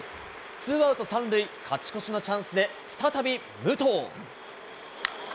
ツーアウト３塁、勝ち越しのチャンスで、再び武藤。